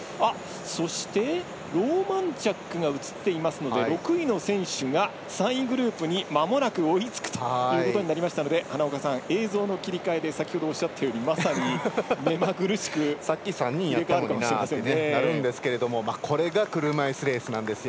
そして、ローマンチャックが映っていますので、６位の選手が３位グループにまもなく追いつくということになりましたので花岡さん、映像の切り替えで先ほどおっしゃったようにまさにめまぐるしくこれが車いすレースなんですよ。